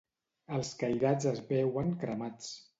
Els cairats es veuen cremats.